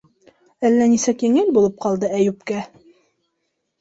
Әллә нисек еңел булып ҡалды Әйүпкә.